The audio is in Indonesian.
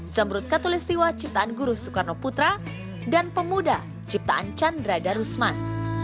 zamrut katulistiwa ciptaan guru soekarno putra dan pemuda ciptaan chandra darusman